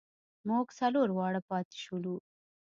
مونږ څلور واړه پاتې شولو.